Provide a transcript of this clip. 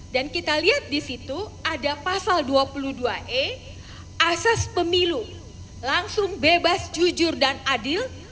dan kita lihat di situ ada pasal dua puluh dua e asas pemilu langsung bebas jujur dan adil